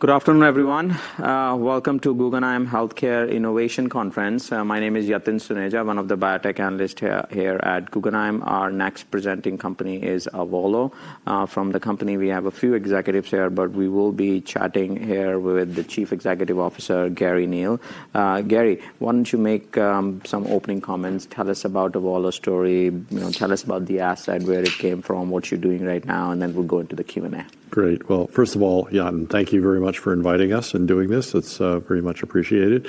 Good afternoon, everyone. Welcome to Guggenheim Healthcare Innovation Conference. My name is Yatin Suneja, one of the biotech analysts here at Guggenheim. Our next presenting company is Avalo. From the company, we have a few executives here, but we will be chatting here with the Chief Executive Officer, Garry Neil. Garry, why do not you make some opening comments? Tell us about Avalo story. Tell us about the asset, where it came from, what you are doing right now, and then we will go into the Q&A. Great. First of all, Yatin, thank you very much for inviting us and doing this. It's very much appreciated.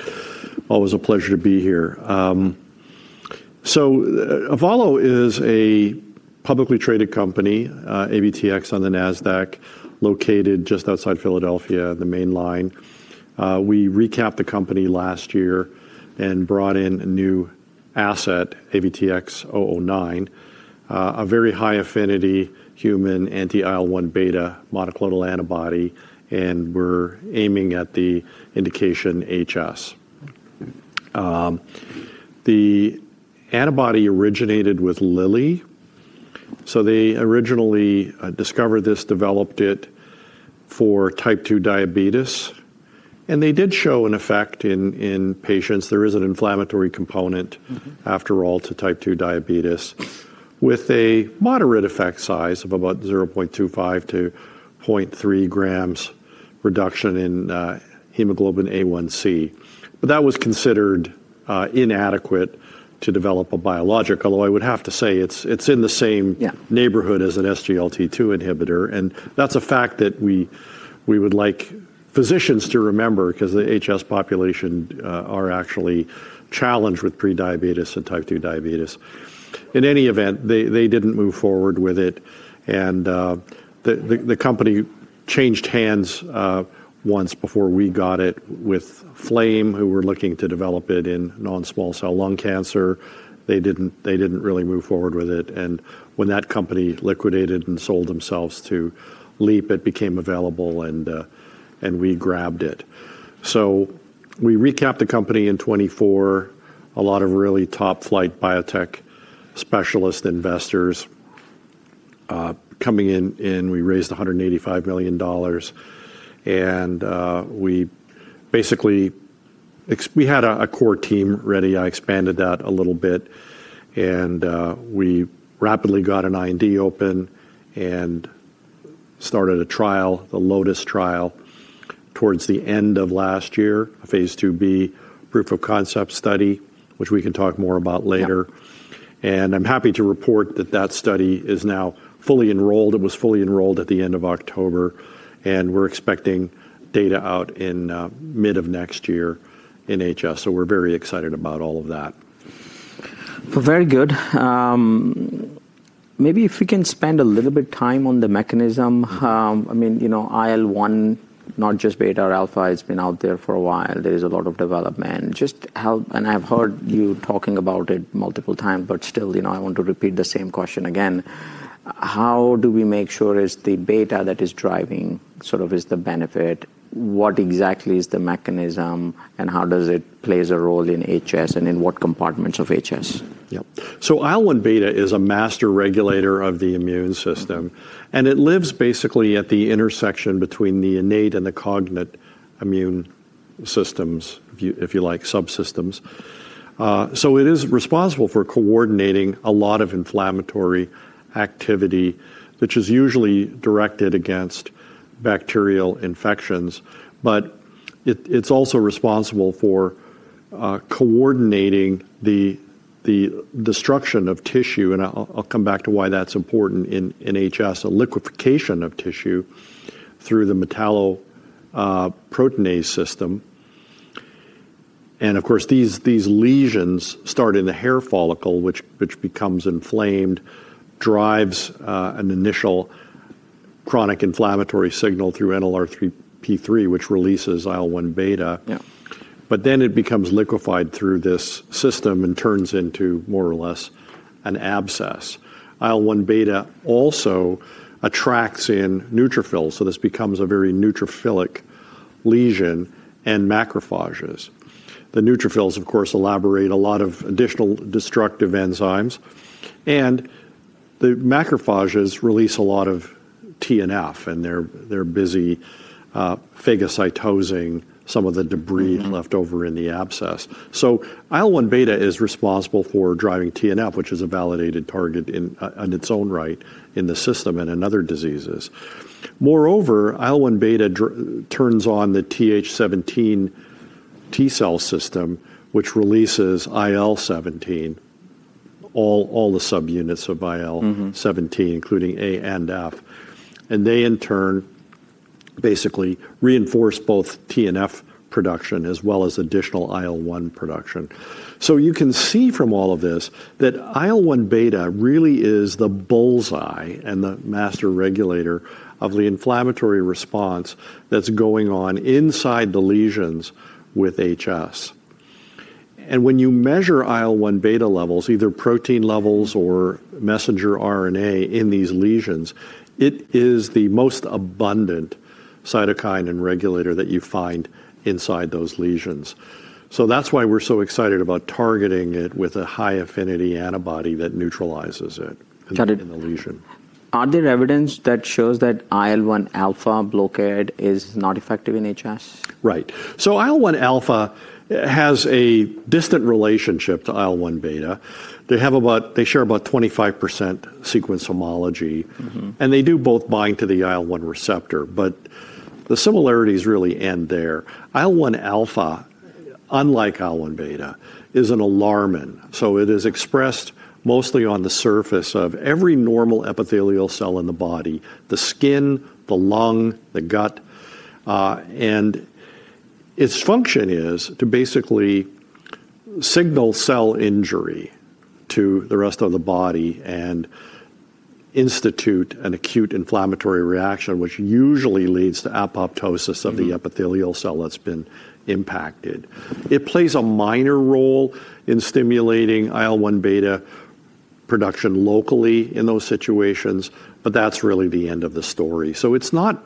Always a pleasure to be here. Avalo is a publicly traded company, AVTX on the Nasdaq, located just outside Philadelphia, the main line. We recapped the company last year and brought in a new asset, AVTX-009, a very high affinity human anti-IL-1 beta monoclonal antibody, and we're aiming at the indication HS. The antibody originated with Lilly. They originally discovered this, developed it for type 2 diabetes, and they did show an effect in patients. There is an inflammatory component, after all, to type 2 diabetes, with a moderate effect size of about 0.25 g-0.3 g reduction in hemoglobin A1C. That was considered inadequate to develop a biologic. Although I would have to say it's in the same neighborhood as an SGLT2 inhibitor, and that's a fact that we would like physicians to remember because the HS population are actually challenged with prediabetes and type 2 diabetes. In any event, they didn't move forward with it, and the company changed hands once before we got it with Flame, who were looking to develop it in non-small cell lung cancer. They didn't really move forward with it, and when that company liquidated and sold themselves to Leap, it became available, and we grabbed it. We recapped the company in 2024. A lot of really top flight biotech specialist investors coming in. We raised $185 million, and we basically had a core team ready. I expanded that a little bit, and we rapidly got an I&D open and started a trial, the LOTUS trial, towards the end of last year, a phase II-B proof of concept study, which we can talk more about later. I'm happy to report that that study is now fully enrolled. It was fully enrolled at the end of October, and we're expecting data out in mid of next year in HS. We are very excited about all of that. Very good. Maybe if we can spend a little bit of time on the mechanism. I mean, IL-1, not just beta or alpha, has been out there for a while. There is a lot of development. I've heard you talking about it multiple times, but still, I want to repeat the same question again. How do we make sure it's the beta that is driving sort of the benefit? What exactly is the mechanism, and how does it play a role in HS, and in what compartments of HS? Yep. IL-1 beta is a master regulator of the immune system, and it lives basically at the intersection between the innate and the cognate immune systems, if you like, subsystems. It is responsible for coordinating a lot of inflammatory activity, which is usually directed against bacterial infections, but it is also responsible for coordinating the destruction of tissue, and I'll come back to why that's important in HS, the liquefaction of tissue through the metalloproteinase system. These lesions start in the hair follicle, which becomes inflamed, drives an initial chronic inflammatory signal through NLRP3, which releases IL-1 beta. It becomes liquefied through this system and turns into more or less an abscess. IL-1 beta also attracts in neutrophils, so this becomes a very neutrophilic lesion and macrophages. The neutrophils, of course, elaborate a lot of additional destructive enzymes, and the macrophages release a lot of TNF, and they're busy phagocytosing some of the debris left over in the abscess. IL-1 beta is responsible for driving TNF, which is a validated target in its own right in the system and in other diseases. Moreover, IL-1 beta turns on the Th17 T cell system, which releases IL-17, all the subunits of IL-17, including A and F. They, in turn, basically reinforce both TNF production as well as additional IL-1 production. You can see from all of this that IL-1 beta really is the bullseye and the master regulator of the inflammatory response that's going on inside the lesions with HS. When you measure IL-1 beta levels, either protein levels or messenger RNA in these lesions, it is the most abundant cytokine and regulator that you find inside those lesions. That's why we're so excited about targeting it with a high affinity antibody that neutralizes it in the lesion. Is there evidence that shows that IL-1 alpha blockade is not effective in HS? Right. IL-1 alpha has a distant relationship to IL-1 beta. They share about 25% sequence homology, and they do both bind to the IL-1 receptor, but the similarities really end there. IL-1 alpha, unlike IL-1 beta, is an alarmin. It is expressed mostly on the surface of every normal epithelial cell in the body: the skin, the lung, the gut. Its function is to basically signal cell injury to the rest of the body and institute an acute inflammatory reaction, which usually leads to apoptosis of the epithelial cell that's been impacted. It plays a minor role in stimulating IL-1 beta production locally in those situations, but that's really the end of the story. It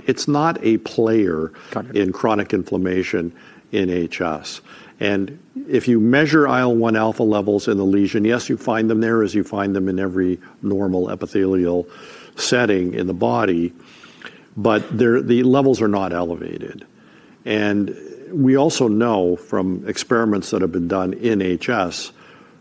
is not a player in chronic inflammation in HS. If you measure IL-1 alpha levels in the lesion, yes, you find them there as you find them in every normal epithelial setting in the body, but the levels are not elevated. We also know from experiments that have been done in HS,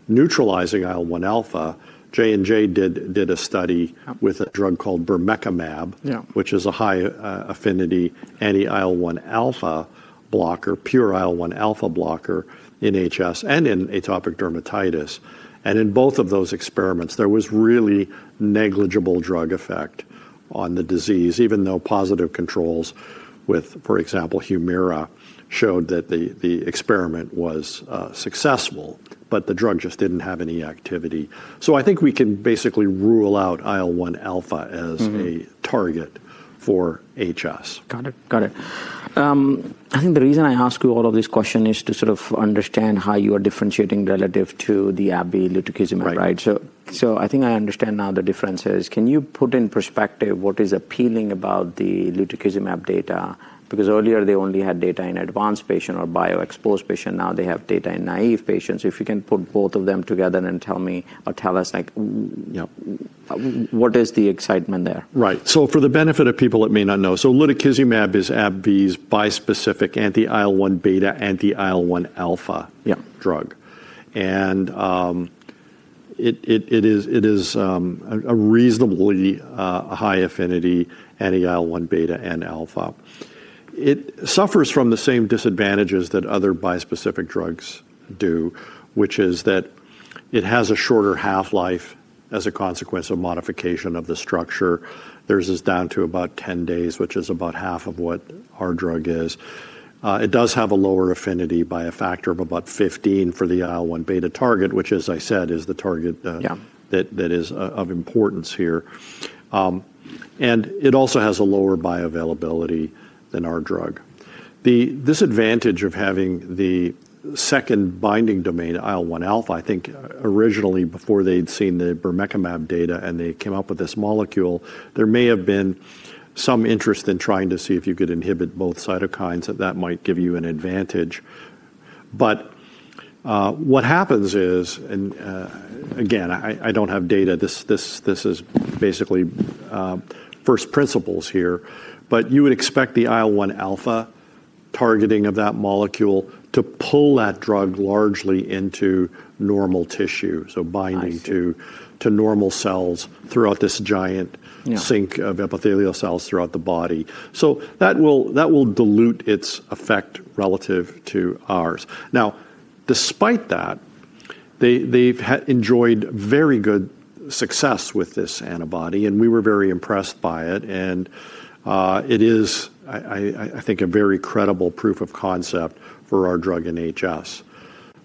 neutralizing IL-1 alpha, J&J did a study with a drug called bermekimab, which is a high affinity anti-IL-1 alpha blocker, pure IL-1 alpha blocker in HS and in atopic dermatitis. In both of those experiments, there was really negligible drug effect on the disease, even though positive controls with, for example, HUMIRA showed that the experiment was successful, but the drug just did not have any activity. I think we can basically rule out IL-1 alpha as a target for HS. Got it. Got it. I think the reason I ask you all of these questions is to sort of understand how you are differentiating relative to the AbbVie lutikizumab, right? So I think I understand now the differences. Can you put in perspective what is appealing about the lutikizumab data? Because earlier, they only had data in advanced patient or bioexposed patient. Now they have data in naive patients. If you can put both of them together and tell me, or tell us, what is the excitement there? Right. For the benefit of people that may not know, lutikizumab is AbbVie's bispecific anti-IL-1 beta, anti-IL-1 alpha drug. It is a reasonably high affinity anti-IL-1 beta and alpha. It suffers from the same disadvantages that other bispecific drugs do, which is that it has a shorter half-life as a consequence of modification of the structure. Theirs is down to about 10 days, which is about half of what our drug is. It does have a lower affinity by a factor of about 15 for the IL-1 beta target, which, as I said, is the target that is of importance here. It also has a lower bioavailability than our drug. The disadvantage of having the second binding domain, IL-1 alpha, I think originally before they'd seen the bermekimab data and they came up with this molecule, there may have been some interest in trying to see if you could inhibit both cytokines that that might give you an advantage. What happens is, and again, I don't have data. This is basically first principles here, but you would expect the IL-1 alpha targeting of that molecule to pull that drug largely into normal tissue, so binding to normal cells throughout this giant sink of epithelial cells throughout the body. That will dilute its effect relative to ours. Now, despite that, they've enjoyed very good success with this antibody, and we were very impressed by it. It is, I think, a very credible proof of concept for our drug in HS.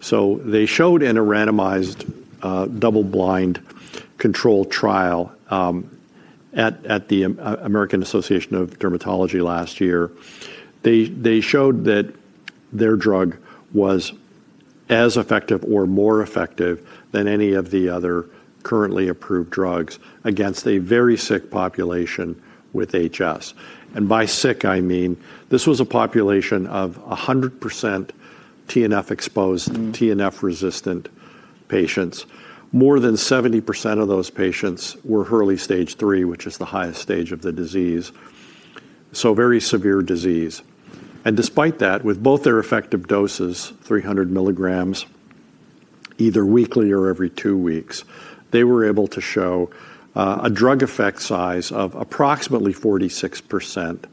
They showed in a randomized double-blind control trial at the American Association of Dermatology last year, they showed that their drug was as effective or more effective than any of the other currently approved drugs against a very sick population with HS. By sick, I mean this was a population of 100% TNF-exposed, TNF-resistant patients. More than 70% of those patients were early stage three, which is the highest stage of the disease. Very severe disease. Despite that, with both their effective doses, 300 mg, either weekly or every two weeks, they were able to show a drug effect size of approximately 46%,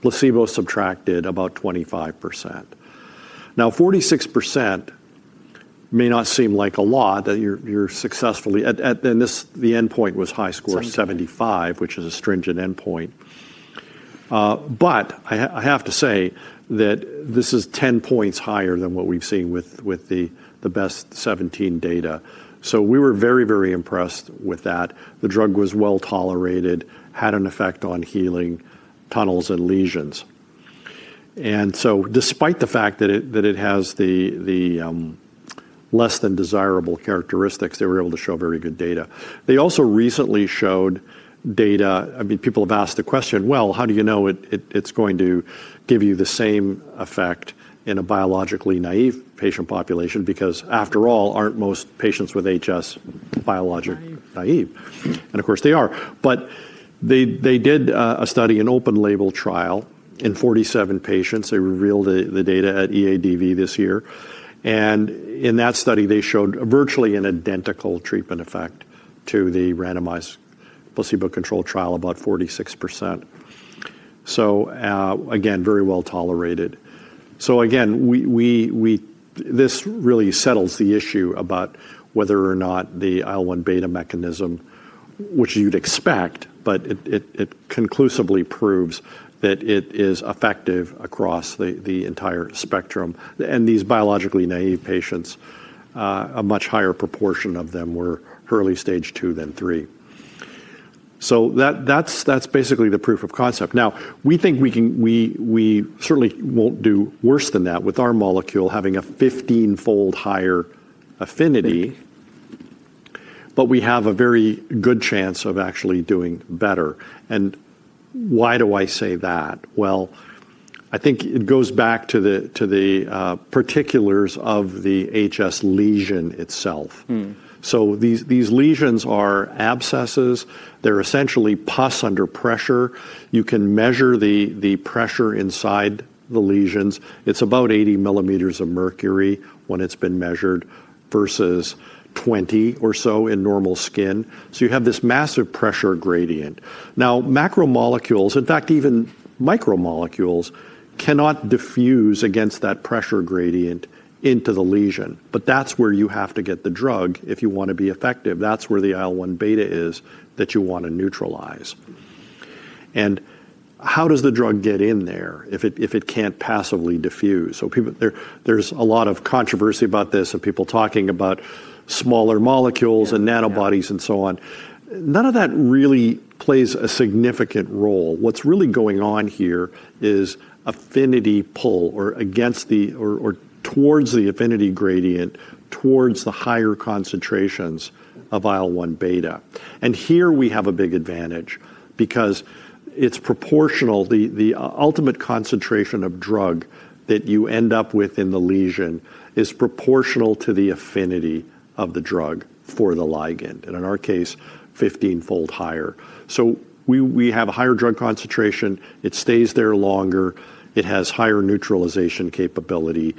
placebo-subtracted about 25%. Now, 46% may not seem like a lot that you're successfully at the endpoint was HiSCR75, which is a stringent endpoint. I have to say that this is 10 points higher than what we've seen with the best 17 data. We were very, very impressed with that. The drug was well tolerated, had an effect on healing tunnels and lesions. Despite the fact that it has the less than desirable characteristics, they were able to show very good data. They also recently showed data. I mean, people have asked the question, how do you know it's going to give you the same effect in a biologically naive patient population? After all, aren't most patients with HS biologically naive? Of course, they are. They did a study, an open-label trial in 47 patients. They revealed the data at EADV this year. In that study, they showed virtually an identical treatment effect to the randomized placebo-controlled trial, about 46%. Again, very well tolerated. Again, this really settles the issue about whether or not the IL-1 beta mechanism, which you'd expect, but it conclusively proves that it is effective across the entire spectrum. In these biologically naive patients, a much higher proportion of them were early stage two than three. That is basically the proof of concept. Now, we think we certainly will not do worse than that with our molecule having a 15-fold higher affinity, but we have a very good chance of actually doing better. Why do I say that? I think it goes back to the particulars of the HS lesion itself. These lesions are abscesses. They are essentially pus under pressure. You can measure the pressure inside the lesions. It is about 80 mm of mercury when it has been measured versus 20 mm or so in normal skin. You have this massive pressure gradient. Now, macromolecules, in fact, even micromolecules cannot diffuse against that pressure gradient into the lesion. That is where you have to get the drug if you want to be effective. That is where the IL-1 beta is that you want to neutralize. How does the drug get in there if it cannot passively diffuse? There is a lot of controversy about this and people talking about smaller molecules and nanobodies and so on. None of that really plays a significant role. What is really going on here is affinity pull or towards the affinity gradient towards the higher concentrations of IL-1 beta. Here we have a big advantage because it is proportional. The ultimate concentration of drug that you end up with in the lesion is proportional to the affinity of the drug for the ligand, and in our case, 15-fold higher. We have a higher drug concentration. It stays there longer. It has higher neutralization capability.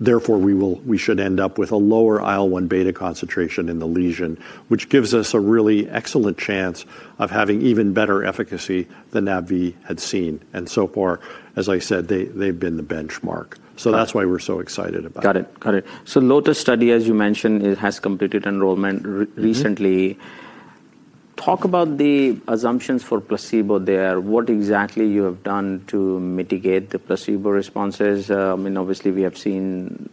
Therefore, we should end up with a lower IL-1 beta concentration in the lesion, which gives us a really excellent chance of having even better efficacy than AbbVie had seen. So far, as I said, they've been the benchmark. That's why we're so excited about it. Got it. Got it. LOTUS study, as you mentioned, has completed enrollment recently. Talk about the assumptions for placebo there. What exactly have you done to mitigate the placebo responses? I mean, obviously, we have seen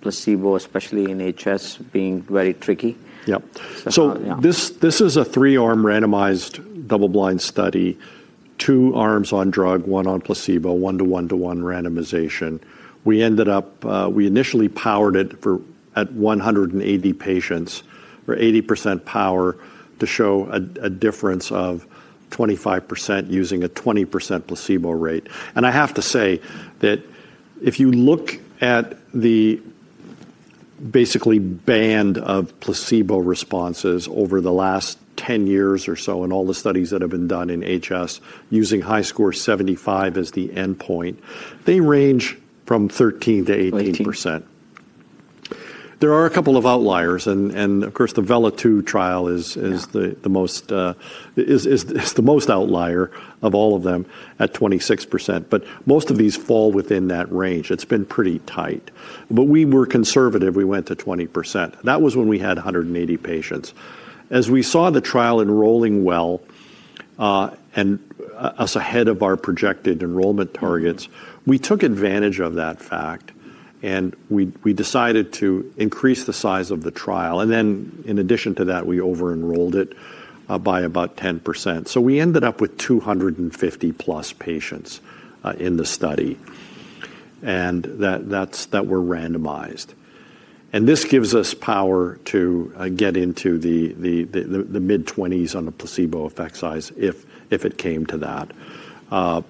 placebo, especially in HS, being very tricky. Yep. This is a three-arm randomized double-blind study, two arms on drug, one on placebo, one-to-one-to-one randomization. We initially powered it at 180 patients for 80% power to show a difference of 25% using a 20% placebo rate. I have to say that if you look at the basically band of placebo responses over the last 10 years or so in all the studies that have been done in HS using HiSCR75 as the endpoint, they range from 13%-18%. There are a couple of outliers. Of course, the VELA-2 trial is the most outlier of all of them at 26%. Most of these fall within that range. It has been pretty tight. We were conservative. We went to 20%. That was when we had 180 patients. As we saw the trial enrolling well and us ahead of our projected enrollment targets, we took advantage of that fact, and we decided to increase the size of the trial. In addition to that, we over-enrolled it by about 10%. We ended up with 250-plus patients in the study that were randomized. This gives us power to get into the mid-20s on the placebo effect size if it came to that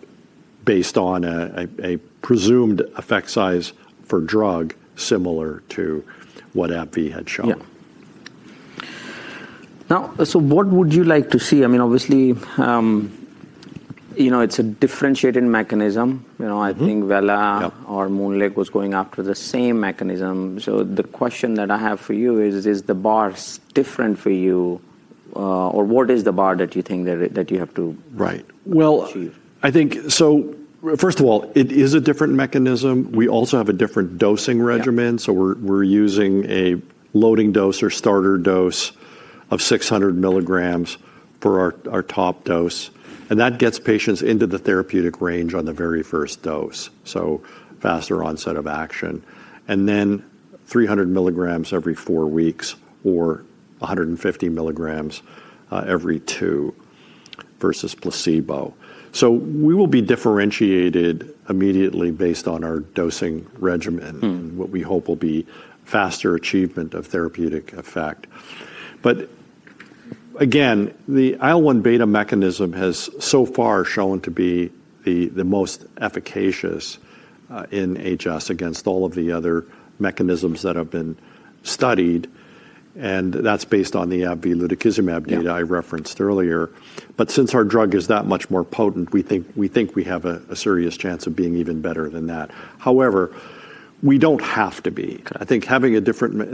based on a presumed effect size for drug similar to what AbbVie had shown. Yeah. Now, so what would you like to see? I mean, obviously, it's a differentiating mechanism. I think VELA or MoonLake was going after the same mechanism. The question that I have for you is, is the bar different for you? Or what is the bar that you think that you have to achieve? Right. I think, first of all, it is a different mechanism. We also have a different dosing regimen. We're using a loading dose or starter dose of 600 mg for our top dose. That gets patients into the therapeutic range on the very first dose, so faster onset of action. Then 300 mg every four weeks or 150 mg every two versus placebo. We will be differentiated immediately based on our dosing regimen and what we hope will be faster achievement of therapeutic effect. Again, the IL-1 beta mechanism has so far shown to be the most efficacious in HS against all of the other mechanisms that have been studied. That's based on the AbbVie lutikizumab data I referenced earlier. Since our drug is that much more potent, we think we have a serious chance of being even better than that. However, we don't have to be. I think having a different,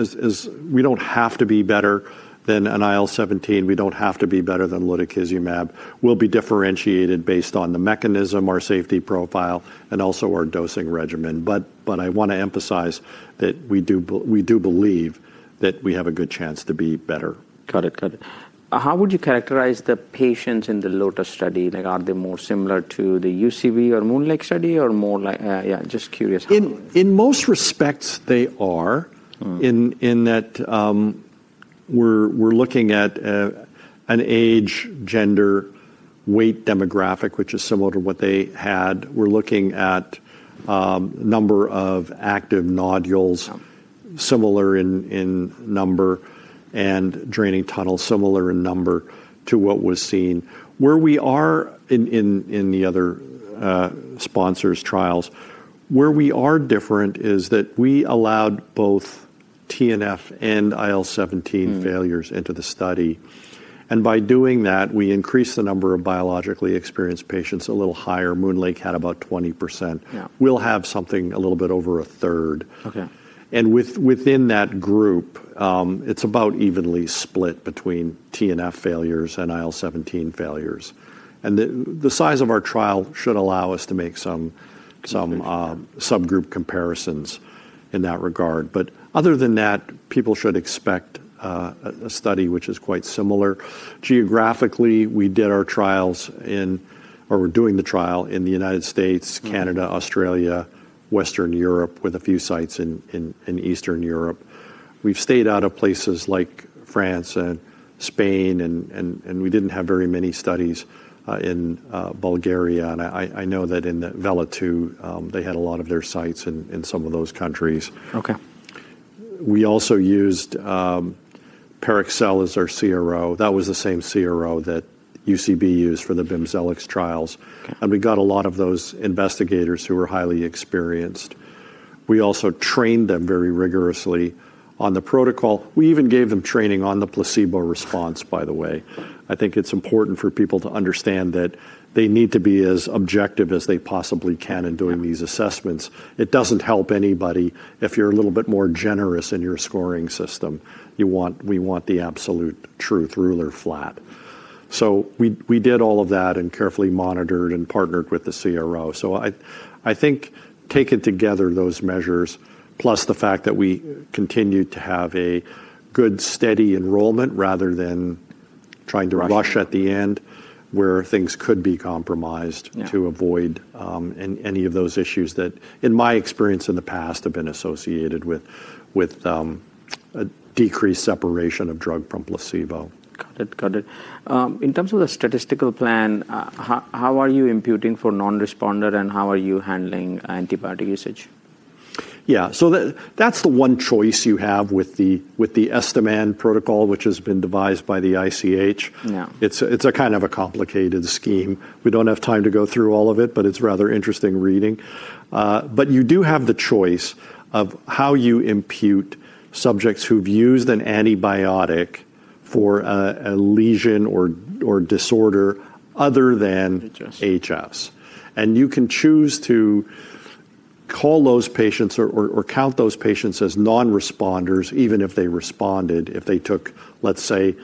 we don't have to be better than an IL-17. We don't have to be better than lutikizumab. We'll be differentiated based on the mechanism, our safety profile, and also our dosing regimen. I want to emphasize that we do believe that we have a good chance to be better. Got it. Got it. How would you characterize the patients in the LOTUS study? Are they more similar to the UCB or MoonLake study or more like, yeah, just curious. In most respects, they are, in that we're looking at an age, gender, weight demographic, which is similar to what they had. We're looking at a number of active nodules similar in number and draining tunnels similar in number to what was seen. Where we are in the other sponsors' trials, where we are different is that we allowed both TNF and IL-17 failures into the study. By doing that, we increased the number of biologically experienced patients a little higher. MoonLake had about 20%. We'll have something a little bit over a third. Within that group, it's about evenly split between TNF failures and IL-17 failures. The size of our trial should allow us to make some subgroup comparisons in that regard. Other than that, people should expect a study which is quite similar. Geographically, we did our trials in or we're doing the trial in the United States, Canada, Australia, Western Europe, with a few sites in Eastern Europe. We've stayed out of places like France and Spain, and we didn't have very many studies in Bulgaria. I know that in VELA-2, they had a lot of their sites in some of those countries. We also used Parexel as our CRO. That was the same CRO that UCB used for the BIMZELX trials. We got a lot of those investigators who were highly experienced. We also trained them very rigorously on the protocol. We even gave them training on the placebo response, by the way. I think it's important for people to understand that they need to be as objective as they possibly can in doing these assessments. It doesn't help anybody if you're a little bit more generous in your scoring system. We want the absolute truth ruler flat. So we did all of that and carefully monitored and partnered with the CRO. I think taken together those measures, plus the fact that we continue to have a good steady enrollment rather than trying to rush at the end where things could be compromised to avoid any of those issues that, in my experience in the past, have been associated with a decreased separation of drug from placebo. Got it. Got it. In terms of the statistical plan, how are you imputing for non-responder, and how are you handling antibiotic usage? Yeah. So that's the one choice you have with the estimand protocol, which has been devised by the ICH. It's a kind of a complicated scheme. We don't have time to go through all of it, but it's rather interesting reading. You do have the choice of how you impute subjects who've used an antibiotic for a lesion or disorder other than HS. You can choose to call those patients or count those patients as non-responders, even if they responded, if they took, let's say,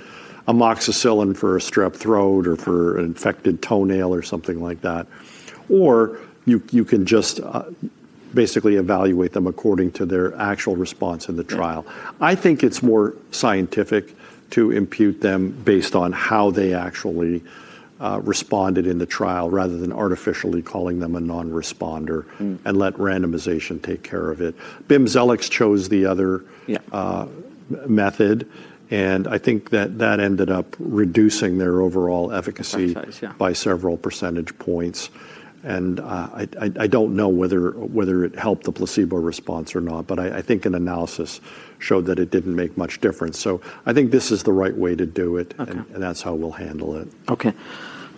amoxicillin for a strep throat or for an infected toenail or something like that. You can just basically evaluate them according to their actual response in the trial. I think it's more scientific to impute them based on how they actually responded in the trial rather than artificially calling them a non-responder and let randomization take care of it. BIMZELX chose the other method. I think that that ended up reducing their overall efficacy by several percentage points. I do not know whether it helped the placebo response or not, but I think an analysis showed that it did not make much difference. I think this is the right way to do it, and that is how we will handle it. Okay.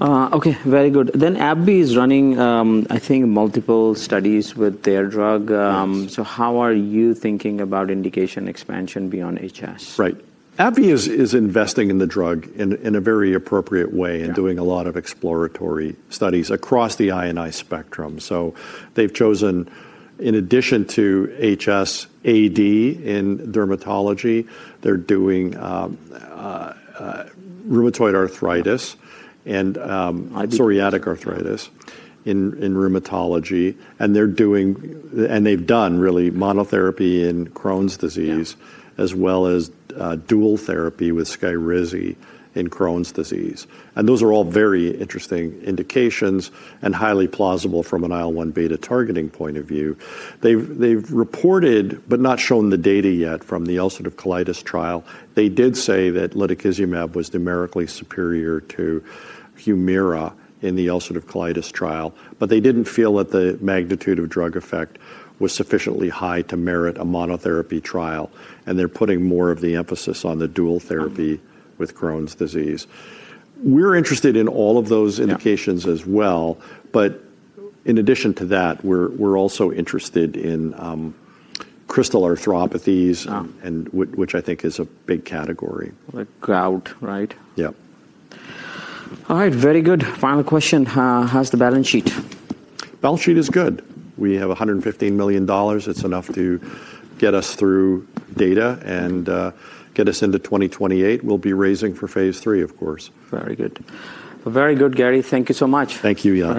Okay. Very good. AbbVie is running, I think, multiple studies with their drug. How are you thinking about indication expansion beyond HS? Right. AbbVie is investing in the drug in a very appropriate way and doing a lot of exploratory studies across the IL-1 spectrum. They have chosen, in addition to HS, AD in dermatology, they are doing rheumatoid arthritis and psoriatic arthritis in rheumatology. They are doing, and they have done really, monotherapy in Crohn's disease as well as dual therapy with SKYRIZI in Crohn's disease. Those are all very interesting indications and highly plausible from an IL-1 beta targeting point of view. They have reported but not shown the data yet from the ulcerative colitis trial. They did say that lutikizumab was numerically superior to HUMIRA in the ulcerative colitis trial, but they did not feel that the magnitude of drug effect was sufficiently high to merit a monotherapy trial. They are putting more of the emphasis on the dual therapy with Crohn's disease. We are interested in all of those indications as well. In addition to that, we're also interested in crystal arthropathies, which I think is a big category. Like gout, right? Yep. All right. Very good. Final question. How's the balance sheet? Balance sheet is good. We have $115 million. It's enough to get us through data and get us into 2028. We'll be raising for phase III, of course. Very good. Very good, Garry. Thank you so much. Thank you.